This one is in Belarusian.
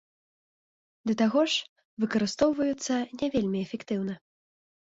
Да таго ж, выкарыстоўваюцца не вельмі эфектыўна.